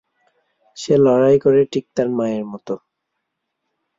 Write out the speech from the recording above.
সে লড়াই করে ঠিক তার মায়ের মত।